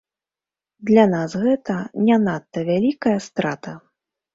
Для нас гэта не надта вялікая страта.